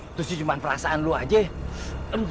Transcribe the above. itu sih cuman perasaan lu aja